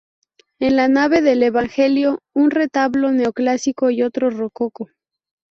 En la nave del Evangelio, un retablo neoclásico y otro rococó.